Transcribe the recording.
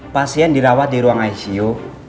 pasien dirawat di ruang icu